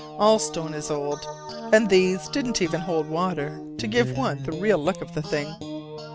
All stone is old: and these didn't even hold water to give one the real look of the thing.